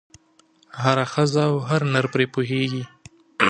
هره ښځه او هر نر پرې پوهېږي.